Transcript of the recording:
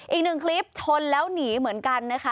อีกหนึ่งคลิปชนแล้วหนีเหมือนกันนะคะ